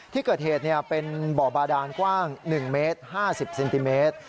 ที่เกิดเหตุเป็นบ่อบาดานกว้าง๑เมตร๕๐เซนติเมตร